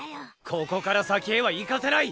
ここから先へは行かせない！